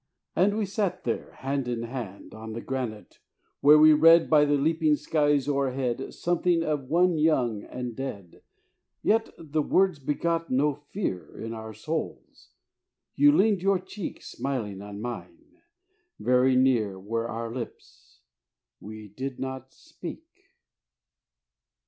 And we sat there, hand in hand; On the granite; where we read, By the leaping skies o'erhead, Something of one young and dead. Yet the words begot no fear In our souls: you leaned your cheek Smiling on mine: very near Were our lips: we did not speak.